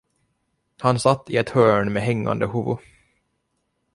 Han satt i ett hörn med hängande huvud.